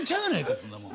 いそんなもん。